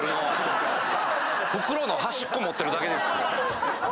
袋の端っこ持ってるだけですよ。